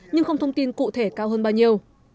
nhưng không thông tin cụ thể cao hơn bao nhiêu